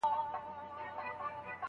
موږ ټول غواړو چي ډېر لوی کارونه وکړو